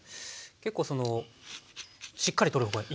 結構そのしっかり取る方がいいですか？